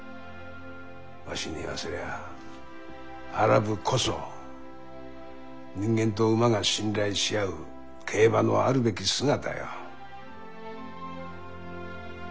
わしに言わせりゃあアラブこそ人間と馬が信頼し合う競馬のあるべき姿よ。